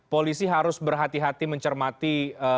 polisi harus berhati hati mencermati